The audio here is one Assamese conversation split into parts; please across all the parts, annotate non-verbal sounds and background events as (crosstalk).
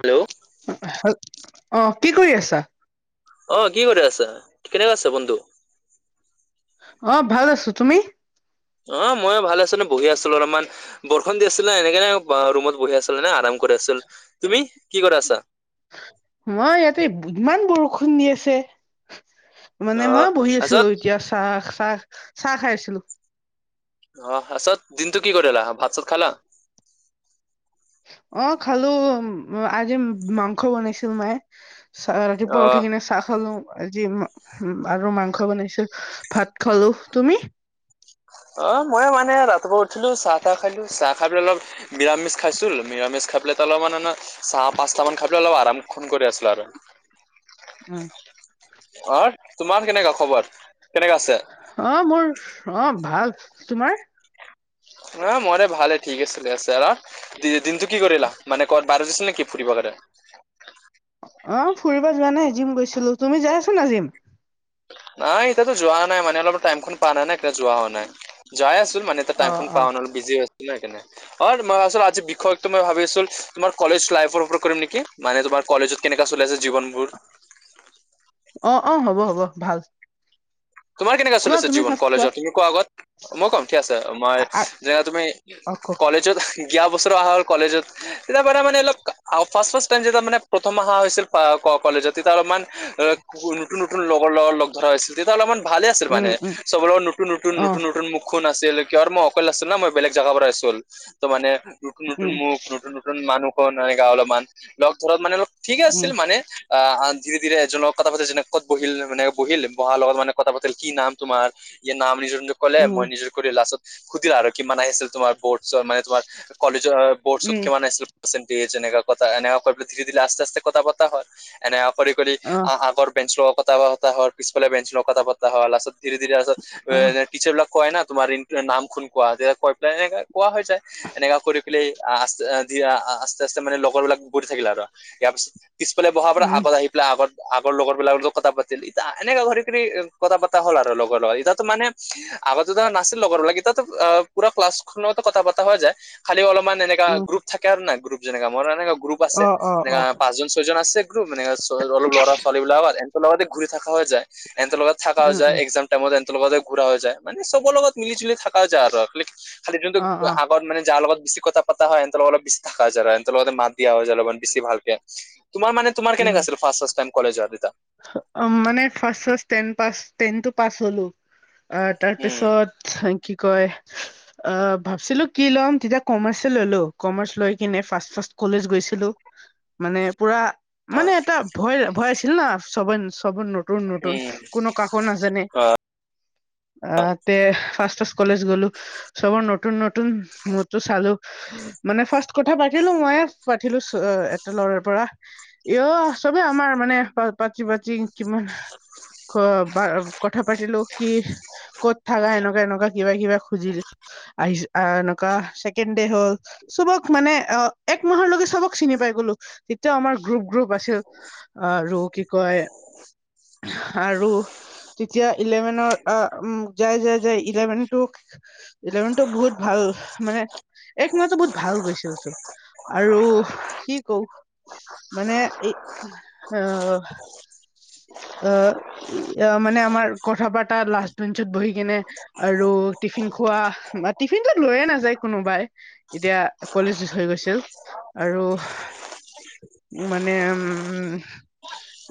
হেল্ল' হেল অ কি কৰি আছা? অ কি কৰি আছো? কেনেকা আছা বন্ধু? অ ভাল আছো তুমি? অ ময়ো ভাল আছো ন বহি আছো অলপমান। বৰষুণ দি আছিলে সেকানে ৰুমত বহি আছিলোঁ এনে আৰাম কৰি আছিল, তুমি কি কৰা আছা? মই ইয়াতে ইমান বৰষুণ দি আছে। মানে আহ মই বহি আছোঁ আছত এতিয়া চাহ চাহ চাহ খাই আছিলো। অ পাচত দিনটো কি কৰিলা, ভাত-চাত খালা? অ, খালোঁ আজি মাংস বনাইছিল মায়ে। চাহ অ ৰাতিপুৱা উঠিকিনে চাহ খালোঁ। আজি উম আৰু মাংস বনাইছিল ভাত খালোঁ, তুমি? অ ময়ে মানে ৰাতিপুৱা উঠিলো চাহ-টাহ খালোঁ, চাহ খাই পেলাই অলপ নিৰামিষ খাইছুল নিৰামিষ খাই পেলাই তালে মানে না চাহ পাঁচটা মান খাই পেলালোঁ আৰামখন কৰি আছিলো আৰু অৰ তোমাৰ কেনেকা খবৰ, কেনেকা আছে? অ মোৰ অ ভাল, তোমাৰ? অ মই এতিয়া ভালে ঠিকে চলি আছে আৰু দি-দিনটো কি কৰিলা, মানে কৰ বাৰ গৈছিল নেকি ফুৰিবলে? অ ফুৰিব যোৱা নাই জিম গৈছিলো, তুমি যাই আছা নাই জিম? নাই এতিয়াতো যোৱা নাই মানে অলপ টাইমখন পোৱা নাই না এতিয়া যোৱা হোৱা নাই যোৱাই আছিল মানে অ টাইমখন অ পাৱ নহলে বিজি হৈ আছিলোঁ সেইকাৰনে। (unintelligible) আজি বিষয়ক মই ভাবি আছো তোমাৰ কলেজ লাইফৰ ওপৰত কৰিম নেকি, মানে তোমাৰ কলেজত কেনেকুৱা চলি আছে জীৱনবোৰ? অ, অ, হ'ব, হ'ব ভাল। তোমাৰ কেনেকা কোৱা চলিছে তুমি জীৱন ফাৰ্ষ্ট কলেজত, তুমি কোৱা আগত, মই কম, ঠিক আছে, মই যেনে তুমি (unintelligible) (unintelligible) বছৰ অহা হ'ল কলেজত। তেতিয়াৰ পৰা মানে অলপ ফ্ৰাষ্ট ফ্ৰাষ্ট টাইম যেতিয়া মানে প্ৰথম অহা হৈছিল কলেজত তেতিয়া অলপমান নতুন-নতুন লগৰ লগ ধৰা হৈছিল, তেতিয়া অলপমান ভালে আছিল উম মানে, উম চব লগ নতুন, নতুন, অ নতু, নতুন মুখ আছিল কিহৰ মই অকল আছিল ন মই বেলেগ জাগাৰ পৰা আছিল ত মানে নু নতুন উম, মুক নতুন নু নতুন মানুহৰ (unintelligible) অলপমান লগ ধৰা মানে, অলপ ঠিকে আছিল উম, মানে অ, ধীৰে- ধীৰে এজনক কথা পাতে, যেনে ক'ত বহিল মানে বহিল বহাৰ লগত মানে মানে কথা পাতিলে কি নাম তোমাৰ? ই নাম নিজৰ নিজৰ ক'লে, উম, মই নিজৰ লাষ্টত সুধিলা আৰু কিমান আহিছিল তোমাৰ বৰ্ডছ মানে, তোমাৰ কলেজৰ বৰ্ডছত উম, কিমান আহিছিল? পাৰ্চেন্টেজ, এনেক কথা এনেকা কৰি ধীৰে-ধিৰে আস্তে-আস্তে কথা পতা হ'ল। এনে কৰি-কৰি অহ, আগৰ বেঞ্চ লগ কথা পতা হ'ল, পিছফালে বেঞ্চ লগ কথা পতা হ'ল, লাষ্টত ধীৰে-ধীৰে আচল অহ, টিচাৰবিলাক কয় ন, তোমাৰ নাম খন কোৱা? (unintelligible) পেলাই এনেক কোৱা হৈ যায়। এনেকা কৰি পেলাই আ আস্তে-আস্তে মানে লগৰ বিলাক (unintelligible) থাকিলে আৰু ইয়াৰ পিছত পিছফালে বহাৰ পৰা উম, আগত আহি পেলাই আগত আগৰ লগৰ বিলাকৰ লগত কথা পাতিল, এনেকা কৰি কথা পতা হ'ল আৰু লগৰ লগত, ইতিয়াতো মানে (unintelligible) নাছিল লগৰ বিলাক এতিয়াটো পুৰা ক্লাছখনৰ লগত কথা পতা হৈ যায়, খালি অলপ মান এনেকা উম, গ্ৰুপ থাকে আৰু না গ্ৰুপ যেনেকা, মোৰো এনেকা গ্ৰুপ আছে, অ', অ', এনেকা অ', পাঁচজন-ছয়জন আছে। মানে অলপ ল'ৰা-ছোৱালীবিলাক (unintelligible) টাইমত এহেতৰ লগতে উম, উম, ঘুৰা হৈ যায়, বাকী চবৰ লগত মিলি-জুলি থাকা যায় আৰু খালি-খালি যোনটো অ', অ', আগত মান যাৰ লগত বেছি কথা পতা হয় এহেতক অলপ বেছি থাকা যায়, এনেহতৰ লগতে মাত দিয়া যায় অলপ বেছি ভালকে। তোমাৰ মান, তোমাৰ উম, কেনেকা আছিল ফ্ৰাষ্ট-ফ্ৰাষ্ট টাইম কলেজত? মানে ফ্ৰাষ্ট-ফ্ৰাষ্ট টেন পাছ, টেনটো পাছ হ'লো। আহ! উম, তাৰপিছত কি কয় অ, ভাবছিলো কি ল'ম? তেতিয়া কমাৰ্চ ল'লো, কমাৰ্চ লৈ কিনে ফ্ৰাষ্ট- ফ্ৰাষ্ট কলেজ গৈছিলো। মানে পুৰা মানে এটা ভয়-ভয় আছিল না, চব চবেই নতুন-নতুন উম, কোনো কা কো নাজানে, অ, তে ফ্ৰাষ্ট-ফ্ৰাষ্ট কলেজ গ'লো। চবৰ নতুন-নতুন মোদটো চালো, মানে ফ্ৰাষ্ট কথা পাতিলো মই। পাঠিলো চ এটা ল'ৰা পৰা, ইও চবে আমাৰ মানে প পাতি- পাতি কিমান কথা পাতিলো কি ক'ত থাকা, এনেকুৱা-এনেকুৱা কিবা- কিবা খুজিল আহি, এনেকুৱা ছেকেণ্ড দে হ'ল। চবক মানে অ, এক মাহৰলৈকে চবক চিনি পাই গ'লো, তেতিয়াও আমাৰ গ্ৰুপ- গ্ৰুপ (unintelligible) (unintelligible) (unintelligible) ইলেভেনটো ইলেভেনটো বহুত ভাল, মানে এক মাহটো বহুত ভাল গৈছিল চব। আৰু কি কম? মানে এই আহ আহ, মানে আমাৰ কথা পাতা লাষ্ট বেঞ্চত বহি কিনে। আৰু টিফিন খোৱা, টিফিনটো লৈয়ে নাযায় কোনোবাই। এতিয়া কলেজ শেষ হৈ গৈছিল আৰু ও মানে উম উম উম উম ই স।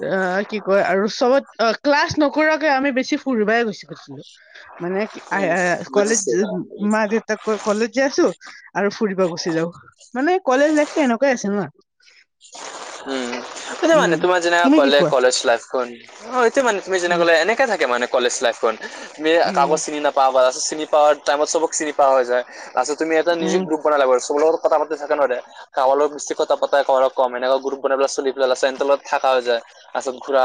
এ এ আ আ অ কি কয় আৰু চবত অ ক্লাছ নকৰাকে আমি বেছি ফুৰিবাই গুছি গৈছিলো। এহে এ এ মানে আই আই আ আ কলেজ বুজিছোঁ। মা-দেউতা ক কলেজ যে আছো ই ই আৰু ফুৰিব গুচি যাও মানে কলেজ লাইফটো এনেকুৱাই আছে ন। ছি অ অ অ অ উম। এতিয়া উম মানে তোমাৰ যেনে তুমি কি ক'লে কোৱা কলেজ লাইফখন অ এতিয়া মানে তুমি যেনে উম ক'লে এনেকে তাকে মানে কলেজ লাইফখন এহ্ হে হে তুমি উম কাগজ চিনি নাপ পাৱাৰছ চিনি পাৱাৰ টাইমত চবক চিনি পোৱা হৈ যায় তাৰপিছত তুমি এটা নিজে উম গ্ৰু (unintelligible) ও লা লা চেণ্টলত থাকা হৈ যায় তাৰপিছত ঘুৰা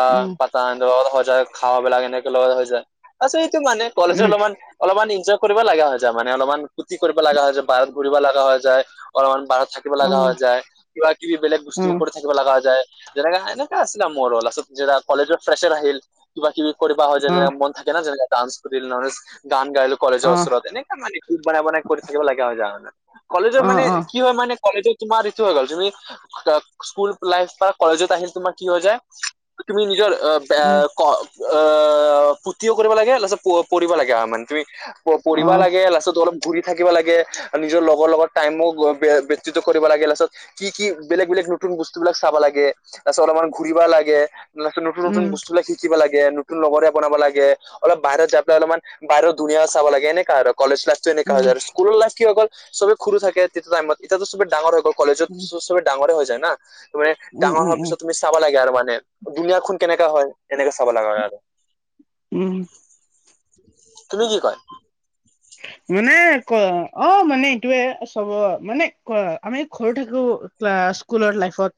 তাৰ লগত হৈ যায় খাৱ বেলা এনেকে লগত হৈ যায় তাৰপিছত এইটো মানে কলেজে উম উম অলপমান অলপমান এনজয় কৰিব লগা হৈ যায় মানে অলপমান ফুৰ্তি কৰিব লগা হৈ যায় বাৰত ঘূৰিব লগা হৈ যায়। অলপমান বাৰত থাকিব অ লগা হৈ যায় কিবা কিবি বেলেগ বস্তু উম কৰি থাকিব লগা হৈ যায়। যেনেকা এনেকা আছিল আৰু মোৰ অল আছে কলেজত ফ্ৰেচাৰ আহিল। কিবা কিবি কৰিবা হয় যে অহ মন থাকে ন যেনে ডান্স কৰি গান গাই কলেজৰ অহ ওচৰত এনেকা মানে খুব বনাই বনাই কৰি থাকিব লাগে আৰু জা হয় হয় কলেজৰ অ মানে অ কি হয় মানে কলেজত তোমাৰ ইটো হৈ গ'ল তুমি ত স্কুল লাইফ ত কলেজত আহিল তোমাৰ কি হৈ যায় চিয়া তুমি নিজৰ আ উম। অ অ অ অ অ অ, ফুৰ্তিও কৰিব লাগে লাষ্টত প পঢ়িব লাগে আহ মানে তুমি ই ই আহ। প পঢ়িব অহ লাগে লাষ্টত অলপ পঢ়ি থাকিব লাগে আহ্ নিজৰ লগৰ লগত টাইমো ব ব্য ব্যতিত কৰিব লাগে লাষ্টত আহ আহ। কি কি বেলেগ বেলেগ নতুন বস্তু বিলাক চাবা লাগে। তাৰপিচত অলপমান ঘুৰিবা লাগে আহ লাষ্টত নতুন নতুন উম বস্তুবিলাক শিক শিকিব লাগে নতুন লগৰীয়া বনাব লাগে অলপ বাহিৰত যাই পেলাই অলপমান বাহিৰৰ দুনিয়া চাব লাগে এনেকা আৰু কলেজ লাইফ। এনেকুৱা উম হয় যায় আৰু স্কুল লাইফ কি হৈ গল সবে সৰু থাকে তেতিয়া টাইমত এতিয়াটো সবে ডাঙৰ হৈ গল কলেজত উম চ চবে ডাঙৰে হৈ যায় না আ আ আ মানে উম ডাঙৰ উম হোৱাৰ উম পিছত তুমি চাব লাগে আৰু মানে দুুনিয়া খন কেনেকা হয় তেনেকে চাব লগা হয় আৰু উম উ উ। ছি ই ছি ই ছি ই, তুমি কি কয় টে টে? হে আ মানে ক অ মানে এইটোৱে চবৰ মানে ক আমি ঘৰু থাকো। ক্লাস স্কুলৰ লাইফত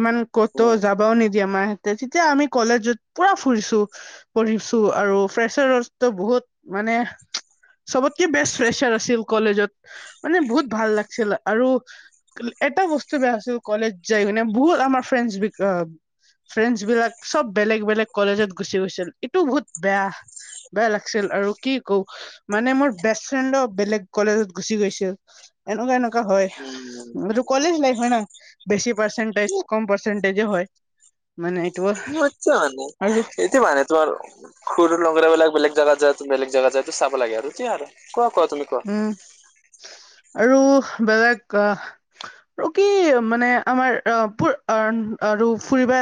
ইমান ক'তো উম যাবাও নিদিয়ে আমায়। তে তেতিয়া আমি কলেজত পুৰা ফুৰিছো হে হে। পঢ়িছো আৰু ফ্ৰেচাৰটো বহুত মানে চবতকে বেষ্ট ফ্ৰেছাৰ আছিল কলেজত আ আ মানে বহুত ভাল লাগছিল আৰু কৰি ললি এটা বস্তু বেয়া আছিল কলেজ যাই মানে বহুত আমাৰ ফ্ৰেণ্ডছ বিক অ অ ফ্ৰেণ্ডছ বিলাক চব বেলেগ বেলেগ কলেজত গুচি গৈছিল এইটো বহুত বেয়া। বেয়া লাগছিল আৰু কি কও হ হ হ। মানে মোৰ বেষ্ট ফ্ৰেণ্ডো বেলেগ কলেজত গুচি গৈছিল সি সি সি সেইটো কাৰণে এনেকা হয় উম এইটো কলেজ লাইফ হয় ন বেছি পাৰ্চেন্টেজ কম পাৰ্চেন্টেজো হয়। মানে এইটো মই এতিয়াও মানো আৰু সেটো মানে তোমাৰ সুৰো লগৰবিলাক বেলেগ জাগাত যায় বেলেগ জাগাত যায়ো চাব লাগে আৰু সেইটোৱে আৰু কোৱা কোৱা তুমি। কোৱা উম উ উ, দেহ আৰু হ বেলেগ কা আহ। উম আহ আৰু কি মানে আমাৰ ৰ পুৰ আহ আৰু ফুৰিবা।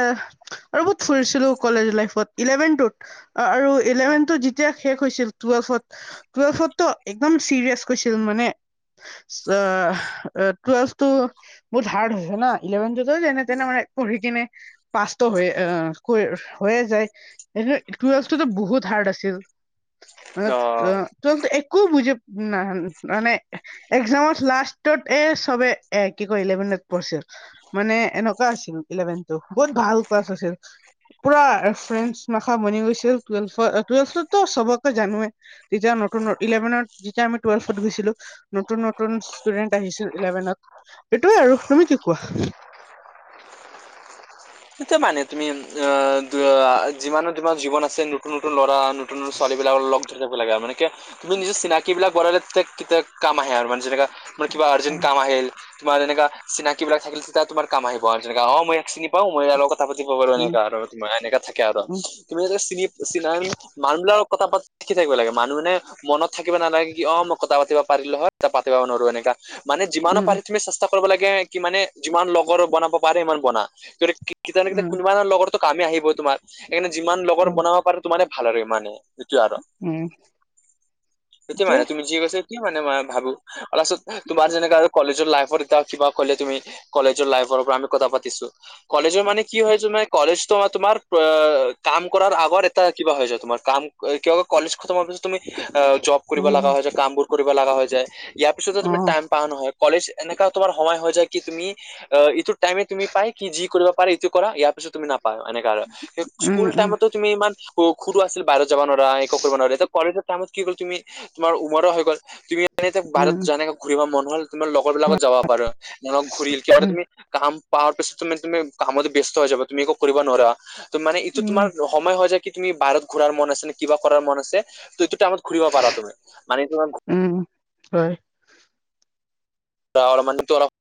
আৰু বহুত ফুৰিছিলো কলেজ লাইফত ইলেভেনটোত। আ আৰু ইলেভেনটো যেতিয়া শেষ হৈছিল টুৱেলভত, টুৱেলভতো এ একদম চিৰিয়াচ কৈছো মানে ছ অ টুৱেলভটো বহুত হাৰ্ড হৈছে না ইলেভনটো টো যেনে তেনে মানে পঢ়িকিনে পাছটো হৈ আহ হৈ হৈয়ে যায়। এনে টুৱেলভটোটো বহুত হাৰ্ড আছিল মানে অ টুৱেলভটো একো বুজি না (unintelligible) একজামত লাষ্টত এ চবে এ কি কৰিলে মানে পঢ়ছে মানে এনকা আছিল ইলেভেনটো, বহুত ভাল ক্লাছ আছিল। পুৰা ফ্ৰেণ্ডচ মাখা বনি গৈছিল টুৱেলভত এ টুৱেলভটোতো চবকে জানোৱে। তেতিয়া নতুন ন ইলেভেনত যেতিয়া আমি টুৱেলভত গৈছিলো নতুন - নতুন ষ্টুডেন্ট আহিছিল ইলেভেনত। এইটোৱে আৰু তুমি কি কোৱা? এইটোৱে মানে তুমি অ য যিমানো তোমাৰ জীৱনত ছে নতুন - নতুন ল'ৰা, নতুন - নতুন ছোৱালীবিলাকক লগ লব লাগে আৰু মানে কিয় তুমি নিজৰ চিনাকিবিলাক বহালে কে কেতিয়া কাম আহে আৰু মানে যেনেকা তোমাৰ কিবা আৰ্জেন্ট উম কাম আহিল তোমাৰ এনেকা চিনাকিবিলাক থাকিলে তেতিয়া তোমাৰ কাম আহিব আ যেনেকা অ মই ইয়াক চিনি পাও মই ইয়াৰ লগ কথা পাতিব পাৰো উম এনেকা আৰু এনেকা থাকে আৰু তুমি যেনে চিনি চিনান মানুহবিলাকৰ কথা পাত তি থাকিব লাগে মানুহে মনত থাকিব নালাগে কি অ মই কথা পাতিব পাৰিলো হয় এতিয়া পাতিব নোৱাৰো এনেকা। মানে যিমানৰ উম পাৰি তুমি চেষ্টা কৰিব লাগে কি মানে যিমান লগৰ বনাব পাৰে সিমান বনা, যদি কি কিজানি কেতিয়া উম কেনোবাদিনা লগৰটো কামে আহিব তোমাৰ সেইকাৰণে যিমান লগৰ উম বনাব পাৰি তো মানে ভাল আৰু ইমানে। এইটোৱে আৰু, উম সেইটোৱে মানে তুমি যি কৈছা সেইটোৱে মানে মই ভাবো (unintelligible) পিছত তোমাৰ যেনেকা আৰু কলেজৰ লাইফত এতিয়া কিবা কলে তুমি কলেজৰ লাইফৰ পৰা আমি কথা পাতিছোঁ। কলেজৰ মানে কি হয় তোমাৰ, কলেজটো তোমাৰ পা কাম কৰাৰ আগত এটা কিবা হৈ যায় তোমাৰ কাম আ কিবা কলেজ খতম হোৱা পিছত তুমি আ জব কৰিব উম লগা হয় যায় কামবোৰ কৰিব লগা হৈ যায়, ইয়াৰ পিছত অ তুমি টাইম পাৰ নহয়, কলেজ এনেকা তোমাৰ সময় হয় যায় কি তুমি আ ইটো টাইমে তুমি পায় কি যি কৰিব পাৰি ইটো কৰা ইয়াৰ পিছত তুমি নাপাও এনেকা আৰু উম স্কুল উম টাইমতো তুমি ইমান স সৰু আছিল বাহিৰত যাব নোৱাৰা, একো কৰিব নোৱাৰা এতিয়া কলেজৰ টাইমত কি গ'ল তুমি তোমাৰ উমৰো হৈ গ'ল তুমি মানে এতিয়া বাহিৰত উম যেনেকে ঘূৰিব মন হ'ল তোমাৰ লগৰবিলাকত যাব পাৰা (unintelligible) ঘূৰিল কিয়নো উম তুমি কাম পোৱা পিছ তুমি তুমি কামত ব্যস্ত হৈ যাবা তুমি একো কৰিব নোৱাৰা ত মানে এইটো উম তোমাৰ ৰ সময় হয় যায় কি তুমি বাহিৰত ঘূৰাৰ মন আছে নে কিবা কৰাৰ মন আছে ত এইটোতে আমা ঘূৰিব পাৰা তুমি মানে তোমাৰ উম হয়। (unintelligible)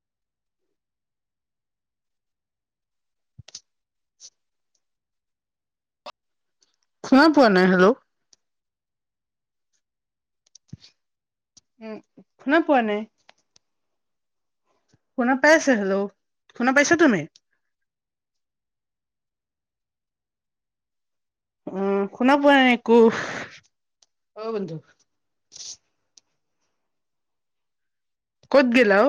শুনা পোৱা নাই হেল্ল'? উম, শুনা পোৱা নাই। শুনা পাই আছা হেল্ল'? শুনা পাইছা তুমি? উম, শুনা পোৱা নাই একো, অ বন্ধু। ক'ত গেলা অ?